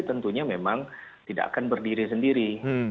tentunya memang tidak akan berdiri sendiri